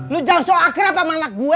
lu jauh so akrab sama anak gue